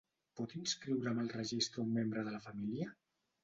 Pot inscriure'm al Registre un membre de la família?